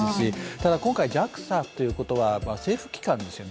ただ今回、ＪＡＸＡということは政府機関ですよね。